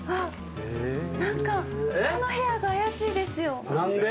何かこの部屋が怪しいですよ。